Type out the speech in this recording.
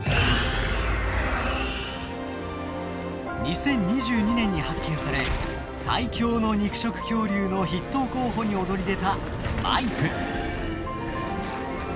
２０２２年に発見され最強の肉食恐竜の筆頭候補に躍り出たマイプ。